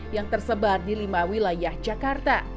yang tersebar di lima wilayah jakarta